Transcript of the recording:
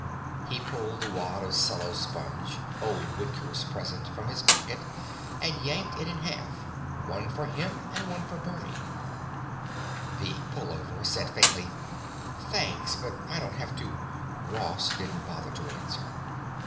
He pulled the wad of cellosponge, old Whitker's present, from his pocket and yanked it in half, one for him and one for Bernie. The Pullover said faintly: "Thanks, but I don't have to——" Ross didn't bother to answer.